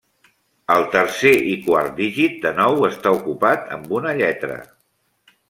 El tercer i quart dígit de nou està ocupat amb una lletra.